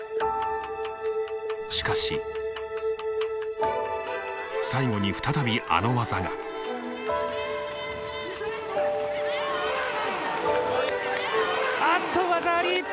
しかし最後に再びあの技があっと技あり！